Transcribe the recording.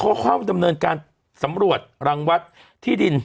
เขาเข้าดำเนินการสำรวจรังวัดที่ดิน